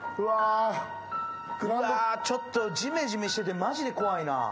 ちょっとジメジメしててマジで怖いな。